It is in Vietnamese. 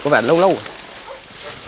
có vẻ lâu lâu rồi